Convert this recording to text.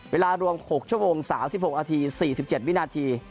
เวลารวมหกชั่วโมงสาวสิบหกนาทีสี่สิบเจ็ดวินาที